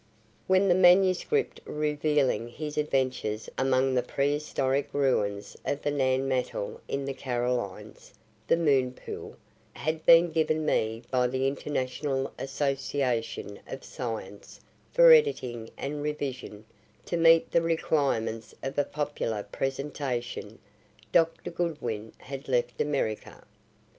When the manuscript revealing his adventures among the pre historic ruins of the Nan Matal in the Carolines (The Moon Pool) had been given me by the International Association of Science for editing and revision to meet the requirements of a popular presentation, Dr. Goodwin had left America.